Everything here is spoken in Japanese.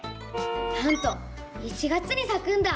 なんと１月にさくんだ。